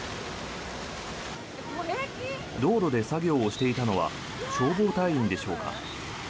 道路で作業をしていたのは消防隊員でしょうか。